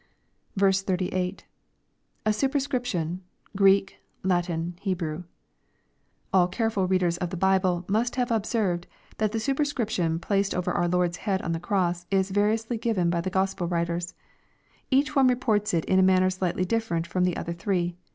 38. — [A superscription... Greek.,. lAittn...j3ehrew.'\ All careful readers of the Bible must have observed that the superscription placed over our Lord's head on the cross is variously given by the Gos pel writers. Each one reports it in a manner slightly different from the other three.